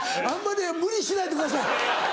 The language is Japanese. あんまり無理しないでください！